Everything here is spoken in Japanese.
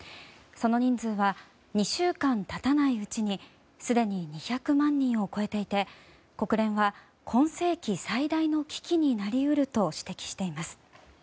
その人数は２週間経たないうちにすでに２００万人を超えていて、国連は今世紀最大の危機になり得ると指摘しています。